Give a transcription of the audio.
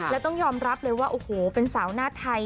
แล้วต้องยอมรับเลยว่าโอ้โหเป็นสาวหน้าไทย